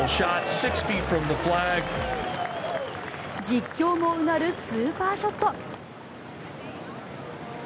実況もうなるスーパーショット。